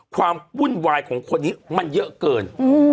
ความวุ่นวายของคนนี้มันเยอะเกิน